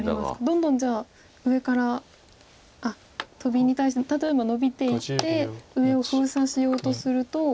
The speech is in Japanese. どんどんじゃあ上からあっトビに対して例えばノビていって上を封鎖しようとすると。